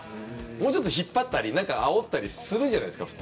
もうちょっと引っ張ったりあおったりするじゃないですか。